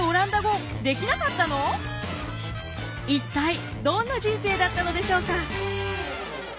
一体どんな人生だったのでしょうか？